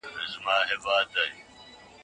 آیا نارينه ډاکټر ته د کتلو اجازه سته؟